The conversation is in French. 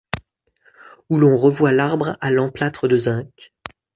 Où l’on revoit l’arbre à l’emplâtre de zinc